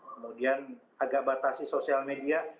kemudian agak batasi sosial media